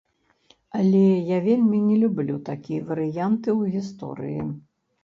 Але, я вельмі не люблю такія варыянты ў гісторыі.